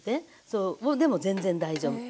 そうもうでも全然大丈夫。